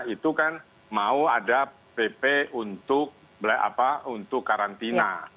itu kan mau ada pp untuk karantina